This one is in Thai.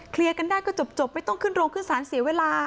กันได้ก็จบไม่ต้องขึ้นโรงขึ้นศาลเสียเวลา